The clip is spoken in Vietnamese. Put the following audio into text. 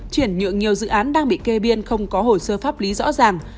chuyển nhượng nhiều dự án đang bị kê biên không có hồ sơ pháp lý rõ ràng